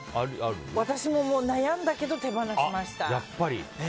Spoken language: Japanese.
私も悩んだけど手放しました。